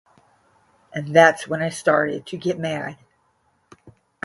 And that's when I started to get mad.